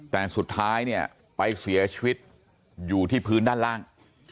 แต่สุดท้ายเนี่ยไปเสียชีวิตอยู่ที่พื้นด้านล่าง